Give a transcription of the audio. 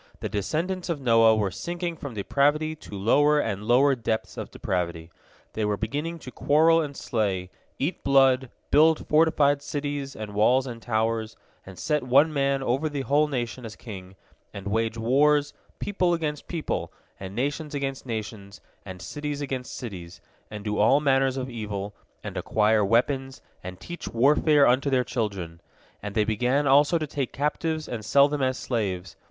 The descendants of Noah were sinking from depravity to lower and lower depths of depravity. They were beginning to quarrel and slay, eat blood, build fortified cities and walls and towers, and set one man over the whole nation as king, and wage wars, people against people, and nations against nations, and cities against cities, and do all manner of evil, and acquire weapons, and teach warfare unto their children. And they began also to take captives and sell them as slaves.